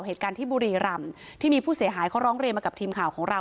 เหตุการณ์ที่บุรีรำที่มีผู้เสียหายเขาร้องเรียนมากับทีมข่าวของเรา